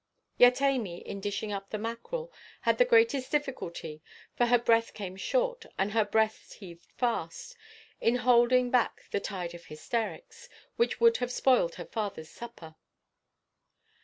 Yet Amy, in dishing up the mackerel, had the greatest difficulty (for her breath came short, and her breast heaved fast) in holding back the tide of hysterics, which would have spoiled her fatherʼs supper.